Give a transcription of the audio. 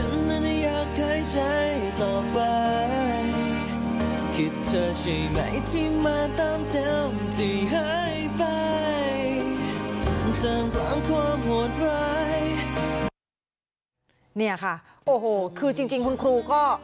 นี่ค่ะโอ้โหคือจริงคุณครูก็